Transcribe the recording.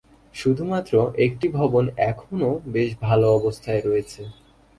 শুধুমাত্র একটি ভবন এখনও বেশ ভালো অবস্থায় রয়েছে।